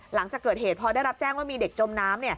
หลังจากเกิดเหตุพอได้รับแจ้งว่ามีเด็กจมน้ำ